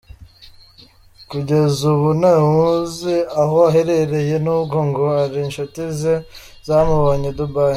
Kugeza ubu nta wuzi aho aherereye nubwo ngo hari inshuti ze zamubonye I Dubai.